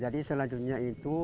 jadi selanjutnya itu